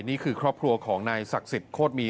นี่คือครอบครัวของนายศักดิ์สิทธิโคตรมี